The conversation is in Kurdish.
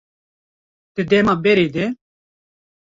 Di dema berê de